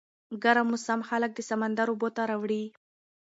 ګرم موسم خلک د سمندر اوبو ته راوړي.